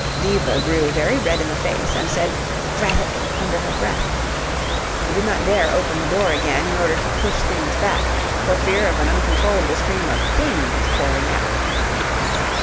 Diva grew very red in the face, and said "Drat it" under her breath. She did not dare open the door again in order to push things back, for fear of an uncontrollable stream of "things" pouring out.